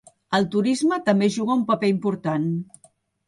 El turisme també juga un paper important.